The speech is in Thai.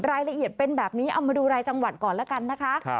รายละเอียดเป็นแบบนี้เอามาดูรายจังหวัดก่อนแล้วกันนะคะ